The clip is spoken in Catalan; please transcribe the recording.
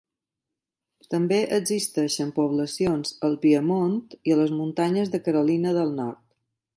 També existeixen poblacions al Piemont i a les muntanyes de Carolina del Nord.